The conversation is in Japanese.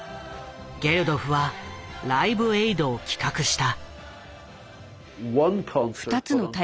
ゲルドフは「ライブエイド」を企画した。